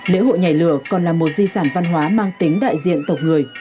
lễ hội nhảy lửa còn là một di sản văn hóa mang tính đại diện tộc người